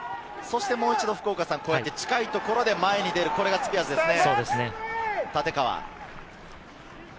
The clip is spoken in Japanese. もう一度、近いところで前に出る、福岡さん、これがスピアーズですね。